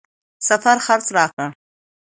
سفر خرڅ راکړ.